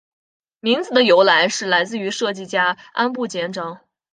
名字的由来是来自于设计家安部兼章。